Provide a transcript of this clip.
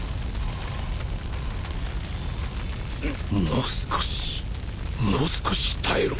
もう少しもう少し耐えろ。